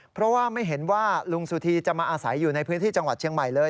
เพราะว่าไม่เห็นว่าลุงสุธีจะมาอาศัยอยู่ในพื้นที่จังหวัดเชียงใหม่เลย